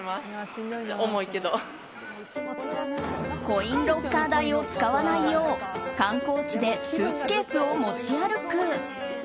コインロッカー代を使わないよう観光地でスーツケースを持ち歩く。